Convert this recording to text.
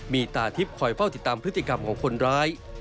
มีตาทิพย์คอยเฝ้าติดตามพฤติกรรมของคนร้าย